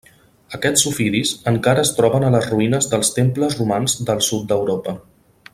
Aquests ofidis encara es troben a les ruïnes dels temples romans del sud d'Europa.